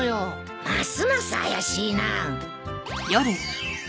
ますます怪しいなあ。